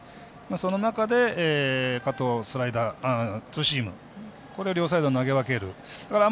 その中でカット、スライダーツーシームこれ、両サイド投げ分ける。